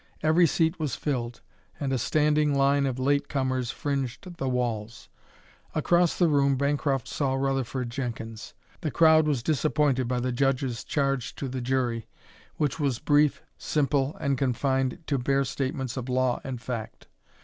Every seat was filled, and a standing line of late comers fringed the walls. Across the room Bancroft saw Rutherford Jenkins. The crowd was disappointed by the judge's charge to the jury, which was brief, simple, and confined to bare statements of law and fact.